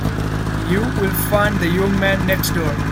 You will find the young man next door.